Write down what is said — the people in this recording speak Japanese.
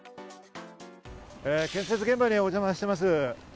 建設現場にお邪魔しています。